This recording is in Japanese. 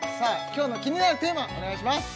今日の気になるテーマお願いします！